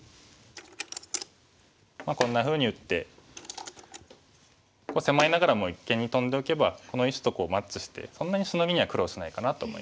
こんなふうに打って狭いながらも一間にトンでおけばこの石とマッチしてそんなにシノギには苦労しないかなと思います。